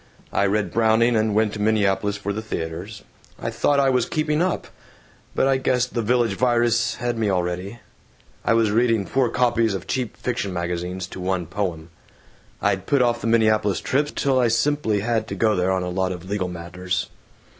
I read Browning, and went to Minneapolis for the theaters. I thought I was 'keeping up.' But I guess the Village Virus had me already. I was reading four copies of cheap fiction magazines to one poem. I'd put off the Minneapolis trips till I simply had to go there on a lot of legal matters.